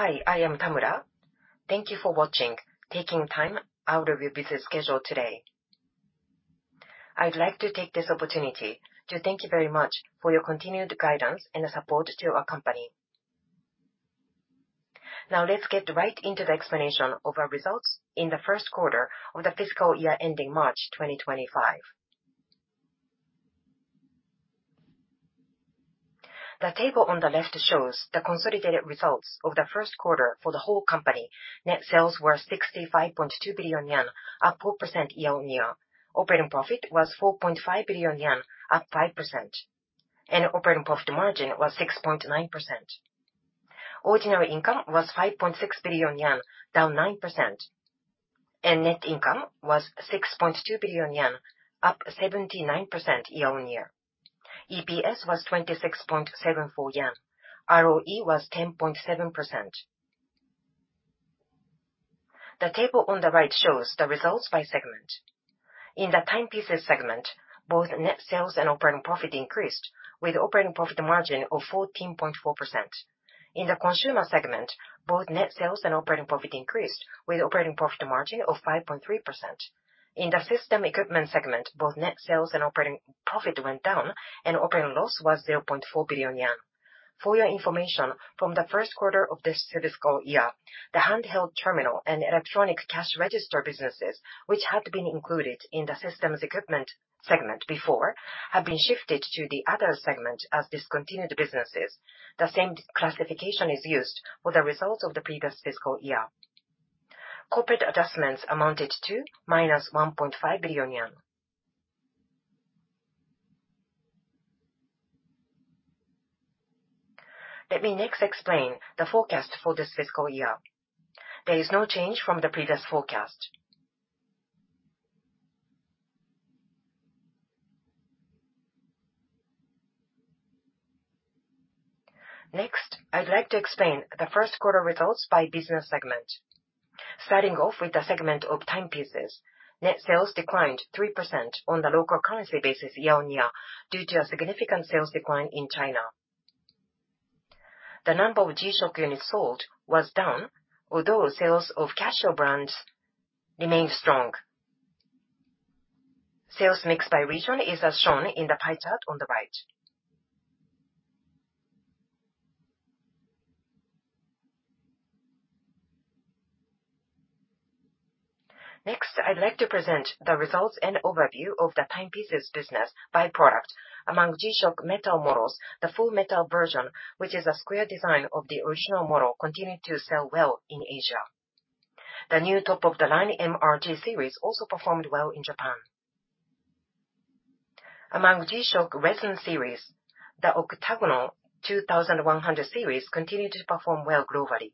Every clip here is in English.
Hi, I am Tamura. Thank you for watching taking time out of your busy schedule today. I'd like to take this opportunity to thank you very much for your continued guidance and support to our company. Now, let's get right into the explanation of our results in the first quarter of the fiscal year ending March 2025. The table on the left shows the consolidated results of the first quarter for the whole company. Net sales were 65.2 billion yen, up 4% year-on-year. Operating profit was 4.5 billion yen, up 5%. Operating profit margin was 6.9%. Ordinary income was 5.6 billion yen, down 9%. Net income was 6.2 billion yen, up 79% year-on-year. EPS was 26.74 yen. ROE was 10.7%. The table on the right shows the results by segment. In the Timepieces segment, both net sales and operating profit increased, with operating profit margin of 14.4%. In the consumer segment, both net sales and operating profit increased, with operating profit margin of 5.3%. In the system equipment segment, both net sales and operating profit went down, and operating loss was 0.4 billion yen. For your information, from the first quarter of this fiscal year, the handheld terminal and electronic cash register businesses, which had been included in the system equipment segment before, have been shifted to the other segment as discontinued businesses. The same classification is used for the results of the previous fiscal year. Corporate adjustments amounted to -1.5 billion yen. Let me next explain the forecast for this fiscal year. There is no change from the previous forecast. Next, I'd like to explain the first quarter results by business segment. Starting off with the segment of Timepieces, net sales declined 3% on the local currency basis year-on-year due to a significant sales decline in China. The number of G-SHOCK units sold was down, although sales of Casio brands remained strong. Sales mix by region is as shown in the pie chart on the right. Next, I'd like to present the results and overview of the Timepieces business by product. Among G-SHOCK metal models, the full metal version, which is a square design of the original model, continued to sell well in Asia. The new top-of-the-line MR-G series also performed well in Japan. Among G-SHOCK resin series, the octagonal 2100 series continued to perform well globally.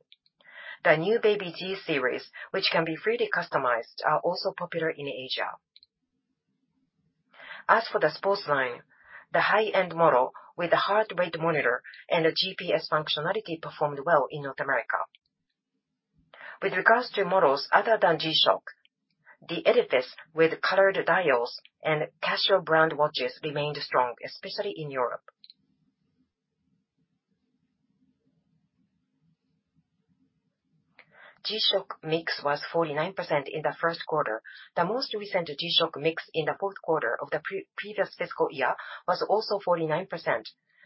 The new BABY-G series, which can be freely customized, are also popular in Asia. As for the sports line, the high-end model with the heart rate monitor and the GPS functionality performed well in North America. With regards to models other than G-SHOCK, the EDIFICE with colored dials and Casio brand watches remained strong, especially in Europe. G-SHOCK mix was 49% in the first quarter. The most recent G-SHOCK mix in the fourth quarter of the previous fiscal year was also 49%,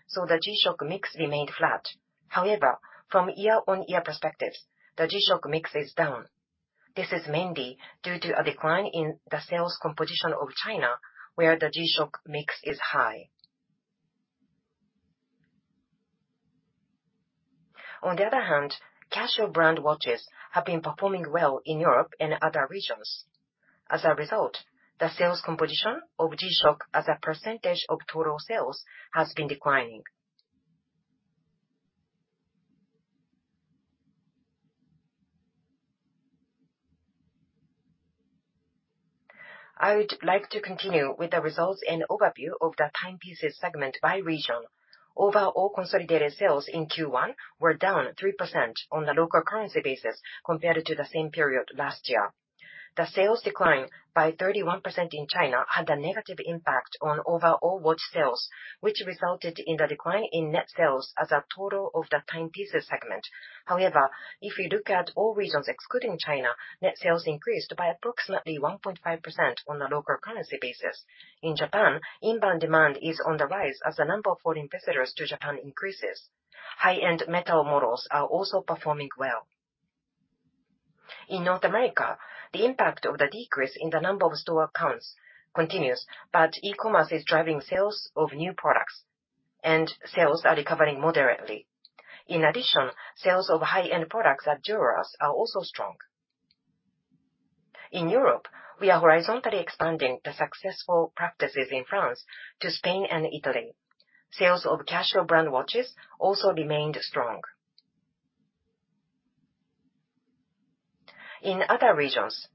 so the G-SHOCK mix remained flat. However, from year-on-year perspectives, the G-SHOCK mix is down. This is mainly due to a decline in the sales composition of China, where the G-SHOCK mix is high. On the other hand, Casio brand watches have been performing well in Europe and other regions. As a result, the sales composition of G-SHOCK as a percentage of total sales has been declining. I would like to continue with the results and overview of the timepieces segment by region. Overall, consolidated sales in Q1 were down 3% on the local currency basis compared to the same period last year. The sales decline by 31% in China had a negative impact on overall watch sales, which resulted in a decline in net sales as a total of the timepieces segment. However, if you look at all regions excluding China, net sales increased by approximately 1.5% on the local currency basis. In Japan, inbound demand is on the rise as the number of foreign visitors to Japan increases. High-end metal models are also performing well. In North America, the impact of the decrease in the number of store counts continues, but e-commerce is driving sales of new products, and sales are recovering moderately. In addition, sales of high-end products at D2C are also strong. In Europe, we are horizontally expanding the successful practices in France to Spain and Italy. Sales of Casio brand watches also remained strong. In other regions,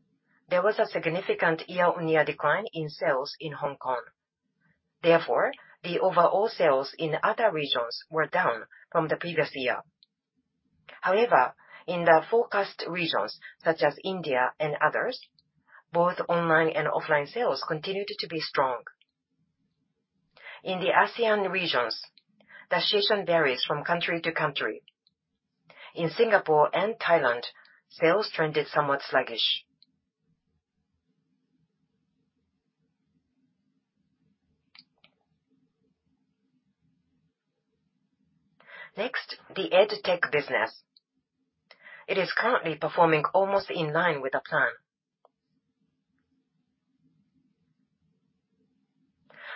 there was a significant year-on-year decline in sales in Hong Kong. Therefore, the overall sales in other regions were down from the previous year. However, in the forecast regions, such as India and others, both online and offline sales continued to be strong. In the ASEAN regions, the situation varies from country to country. In Singapore and Thailand, sales trended somewhat sluggish. Next, the EdTech business. It is currently performing almost in line with the plan.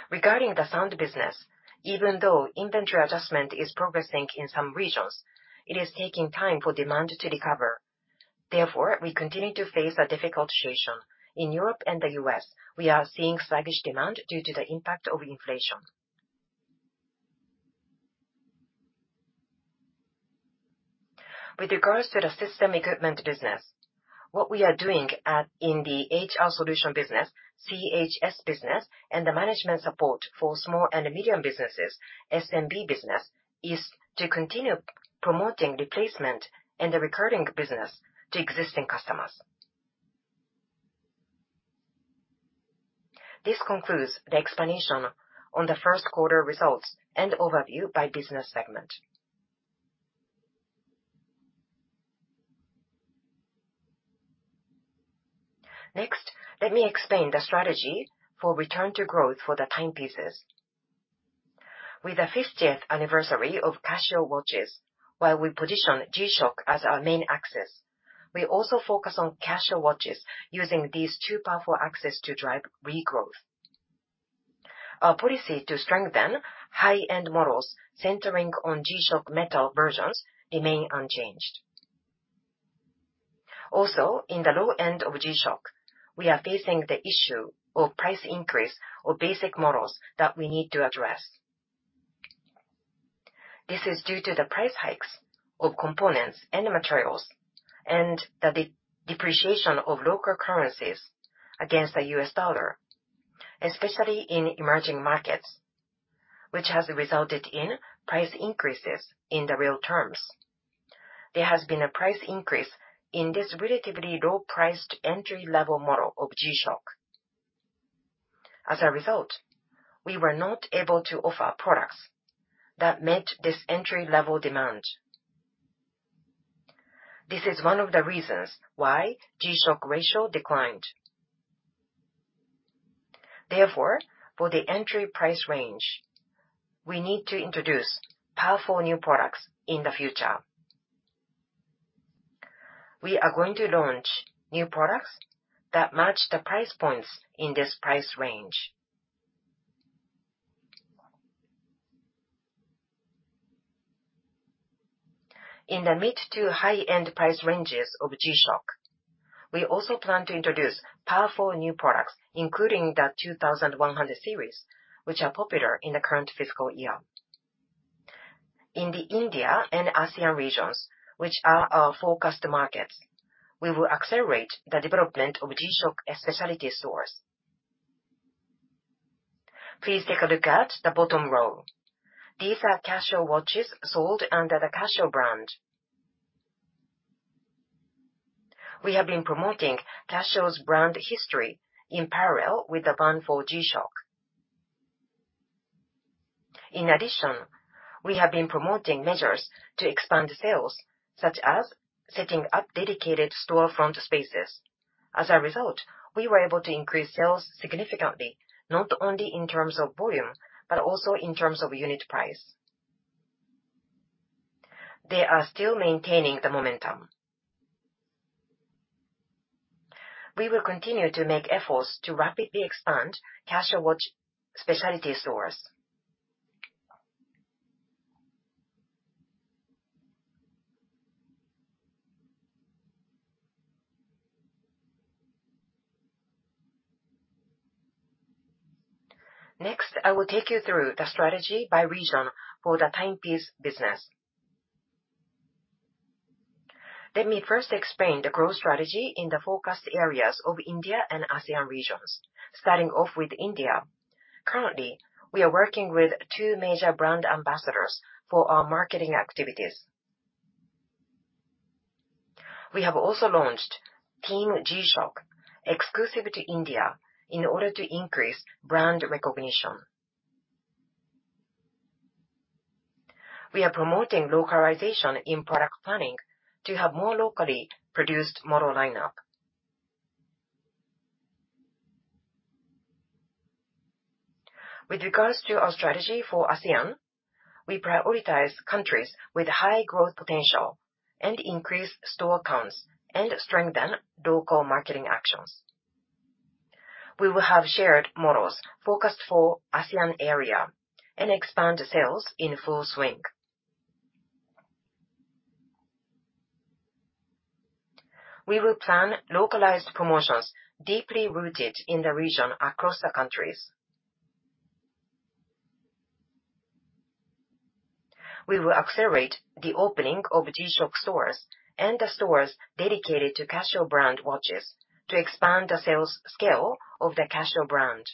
Regarding the sound business, even though inventory adjustment is progressing in some regions, it is taking time for demand to recover. Therefore, we continue to face a difficult situation. In Europe and the U.S., we are seeing sluggish demand due to the impact of inflation. With regards to the system equipment business, what we are doing in the HR solution business, CHS business, and the management support for small and medium businesses, SMB business, is to continue promoting replacement and the recurring business to existing customers. This concludes the explanation on the first quarter results and overview by business segment. Next, let me explain the strategy for return to growth for the timepieces. With the 50th anniversary of Casio watches, while we position G-SHOCK as our main axis, we also focus on Casio watches using these two powerful axes to drive regrowth. Our policy to strengthen high-end models centering on G-SHOCK metal versions remains unchanged. Also, in the low end of G-SHOCK, we are facing the issue of price increase of basic models that we need to address. This is due to the price hikes of components and materials and the depreciation of local currencies against the US dollar, especially in emerging markets, which has resulted in price increases in the real terms. There has been a price increase in this relatively low-priced entry-level model of G-SHOCK. As a result, we were not able to offer products that met this entry-level demand. This is one of the reasons why G-SHOCK ratio declined. Therefore, for the entry price range, we need to introduce powerful new products in the future. We are going to launch new products that match the price points in this price range. In the mid to high-end price ranges of G-SHOCK, we also plan to introduce powerful new products, including the 2100 Series, which are popular in the current fiscal year. In the India and ASEAN regions, which are our focused markets, we will accelerate the development of G-SHOCK specialty stores. Please take a look at the bottom row. These are Casio watches sold under the Casio brand. We have been promoting Casio's brand history in parallel with the brand for G-SHOCK. In addition, we have been promoting measures to expand sales, such as setting up dedicated store front spaces. As a result, we were able to increase sales significantly, not only in terms of volume but also in terms of unit price. They are still maintaining the momentum. We will continue to make efforts to rapidly expand Casio watch specialty stores. Next, I will take you through the strategy by region for the timepiece business. Let me first explain the growth strategy in the focused areas of India and ASEAN regions, starting off with India. Currently, we are working with two major brand ambassadors for our marketing activities. We have also launched TEAM G-SHOCK exclusive to India in order to increase brand recognition. We are promoting localization in product planning to have more locally produced model lineup. With regards to our strategy for ASEAN, we prioritize countries with high growth potential and increase store counts and strengthen local marketing actions. We will have shared models focused for ASEAN area and expand sales in full swing. We will plan localized promotions deeply rooted in the region across the countries. We will accelerate the opening of G-SHOCK stores and the stores dedicated to Casio brand watches to expand the sales scale of the Casio brand.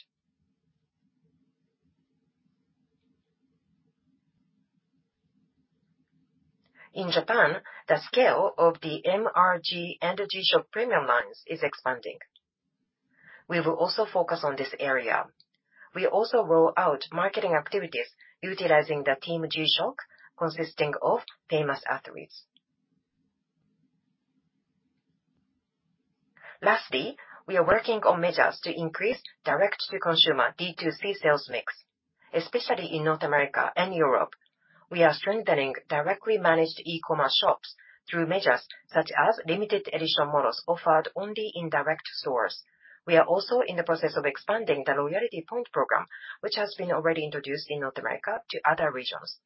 In Japan, the scale of the MR-G and the G-SHOCK premium lines is expanding. We will also focus on this area. We also roll out marketing activities utilizing the TEAM G-SHOCK consisting of famous athletes. Lastly, we are working on measures to increase direct-to-consumer D2C sales mix, especially in North America and Europe. We are strengthening directly managed e-commerce shops through measures such as limited-edition models offered only in direct stores. We are also in the process of expanding the loyalty point program, which has been already introduced in North America to other regions.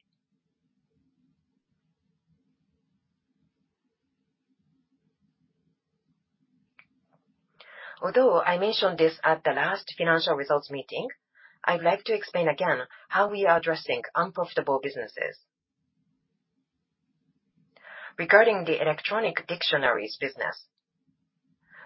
Although I mentioned this at the last financial results meeting, I'd like to explain again how we are addressing unprofitable businesses. Regarding the electronic dictionaries business,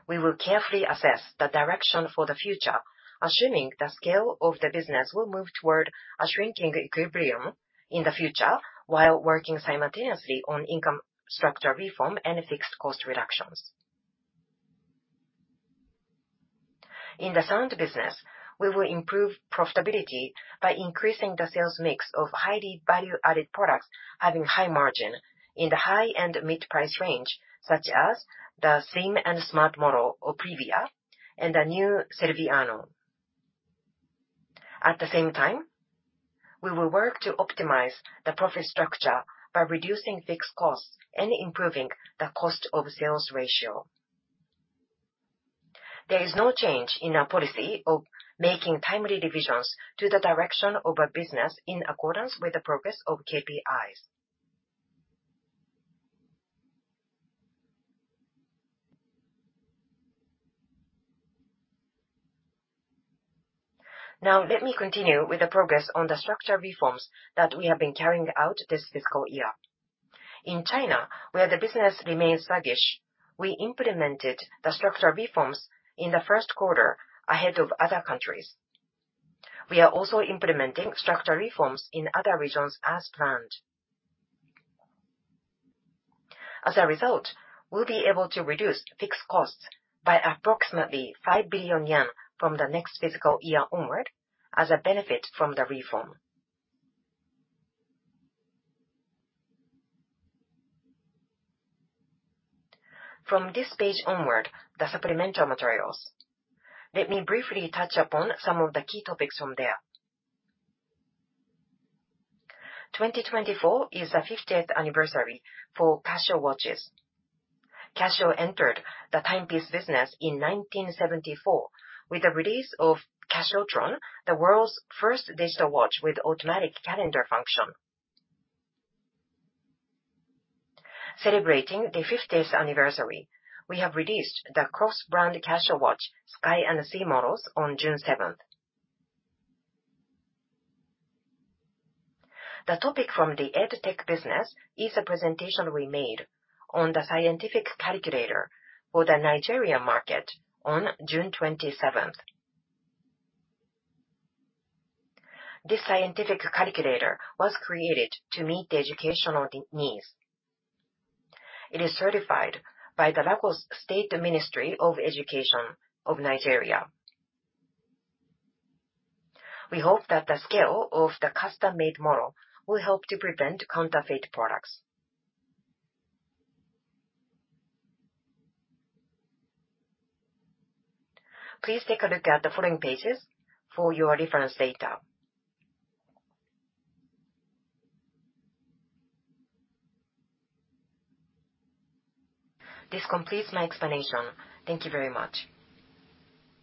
we will carefully assess the direction for the future, assuming the scale of the business will move toward a shrinking equilibrium in the future while working simultaneously on income structure reform and fixed cost reductions. In the Sound business, we will improve profitability by increasing the sales mix of highly value-added products having high margin in the high-end mid-price range, such as the Slim and Smart model of Privia and the new CELVIANO. At the same time, we will work to optimize the profit structure by reducing fixed costs and improving the cost of sales ratio. There is no change in our policy of making timely divisions to the direction of our business in accordance with the progress of KPIs. Now, let me continue with the progress on the structural reforms that we have been carrying out this fiscal year. In China, where the business remains sluggish, we implemented the structural reforms in the first quarter ahead of other countries. We are also implementing structural reforms in other regions as planned. As a result, we'll be able to reduce fixed costs by approximately 5 billion yen from the next fiscal year onward as a benefit from the reform. From this page onward, the supplemental materials. Let me briefly touch upon some of the key topics from there. 2024 is the 50th anniversary for Casio watches. Casio entered the timepiece business in 1974 with the release of CASIOTRON, the world's first digital watch with automatic calendar function. Celebrating the 50th anniversary, we have released the cross-brand Casio watch Sky and Sea models on June 7th. The topic from the EdTech business is a presentation we made on the scientific calculator for the Nigerian market on June 27th. This scientific calculator was created to meet the educational needs. It is certified by the Lagos State Ministry of Education of Nigeria. We hope that the scale of the custom-made model will help to prevent counterfeit products. Please take a look at the following pages for your reference data. This completes my explanation. Thank you very much.